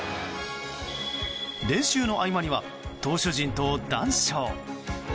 練習の合間には投手陣と談笑。